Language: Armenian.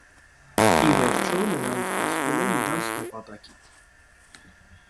Ի վերջո նրանք հասնում են իրենց նպատակին։